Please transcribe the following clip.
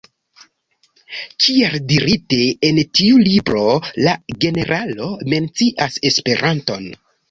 Kiel dirite, en tiu libro la generalo mencias Esperanton.